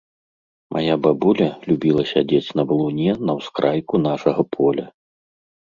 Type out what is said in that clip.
Мая бабуля любіла сядзець на валуне на ўскрайку нашага поля.